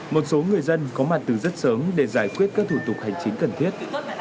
một số người dân có mặt từ rất sớm để giải quyết các thủ tục hành chính cần thiết